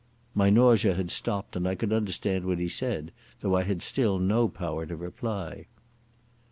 My nausea had stopped and I could understand what he said, though I had still no power to reply.